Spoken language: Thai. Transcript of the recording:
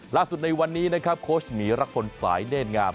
ล่าสุดในวันนี้นะครับโค้ชหมีรักษณ์สายเน่นงาม